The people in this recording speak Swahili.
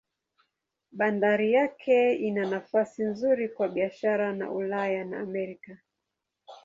Bandari yake ina nafasi nzuri kwa biashara na Ulaya na Amerika.